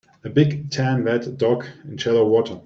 A big tan wet dog in shallow water.